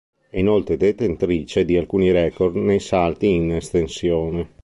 È inoltre detentrice di alcuni record nei salti in estensione.